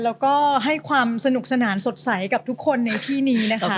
แล้วก็ให้ความสนุกสนานสดใสกับทุกคนในที่นี้นะคะ